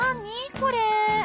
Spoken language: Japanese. これ。